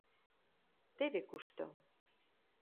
Теве кушто!